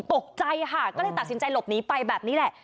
ตกใจค่ะก็เลยตัดสินใจหลบหนีไปแบบนี้แหละ